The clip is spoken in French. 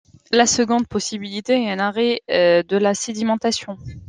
La seconde possibilité est un arrêt de la sédimentation.